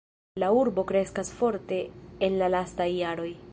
La urbo kreskas forte en la lastaj jaroj.